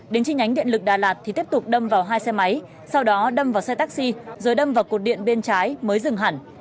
đến chi nhánh điện lực đà lạt thì tiếp tục đâm vào hai xe máy sau đó đâm vào xe taxi rồi đâm vào cột điện bên trái mới dừng hẳn